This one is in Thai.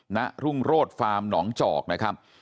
ณรุ่งโรศฟาร์มหนองจอกนะครับ